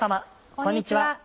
こんにちは。